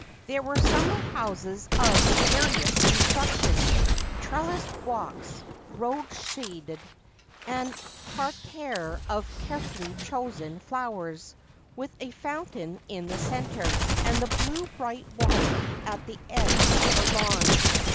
There were summer houses of the airiest construction ; trellised walks, rose shaded ; a parterre of carefully chosen flowers, with a fountain in the centre ; and the blue bright water at the edge of the lawn.